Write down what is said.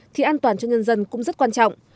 thì an toàn cho nhân dân cũng rất quan trọng